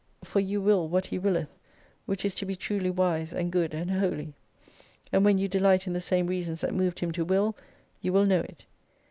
For you will what He willeth, which is to be truly wise and good and holy. And when you delight in the same reasons that moved Him to will, you will know it.